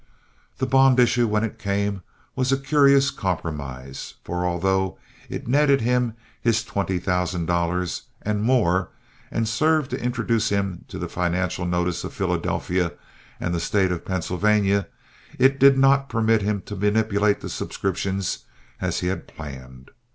The bond issue, when it came, was a curious compromise; for, although it netted him his twenty thousand dollars and more and served to introduce him to the financial notice of Philadelphia and the State of Pennsylvania, it did not permit him to manipulate the subscriptions as he had planned.